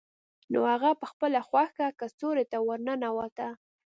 نو هغه په خپله خوښه کڅوړې ته ورننوته